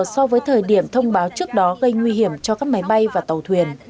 so với thời điểm thông báo trước đó gây nguy hiểm cho các máy bay và tàu thuyền